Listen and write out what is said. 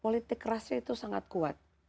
politik kerasnya itu sangat kuat